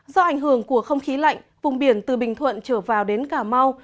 do ảnh hưởng của không khí lạnh vùng biển từ bình thuận trở vào đến cà mau